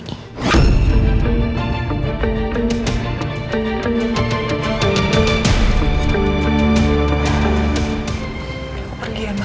nino aku pergi ya mbak